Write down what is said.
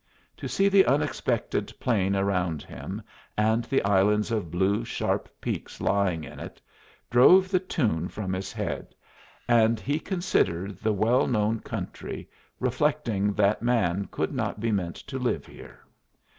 To see the unexpected plain around him, and the islands of blue, sharp peaks lying in it, drove the tune from his head, and he considered the well known country, reflecting that man could not be meant to live here.